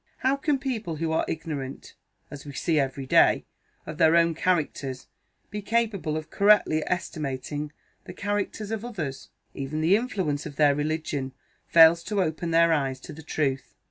How can people who are ignorant as we see every day of their own characters be capable of correctly estimating the characters of others? Even the influence of their religion fails to open their eyes to the truth.